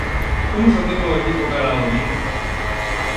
Como se atopa o equipo cara ao domingo?